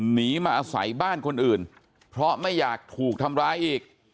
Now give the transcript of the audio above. หนีมาอาศัยบ้านคนอื่นเพราะไม่อยากถูกทำร้ายอีก